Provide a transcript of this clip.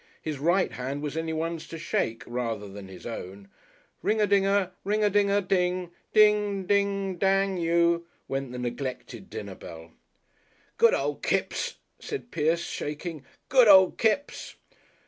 His right hand was anyone's to shake rather than his own. (Ring a dinger, ring a dinger ding, ding, ding, dang you! went the neglected dinner bell.) "Good old Kipps," said Pierce, shaking; "Good old Kipps."